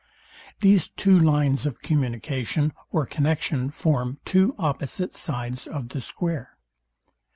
These two lines of communication or connexion form two opposite sides of the square.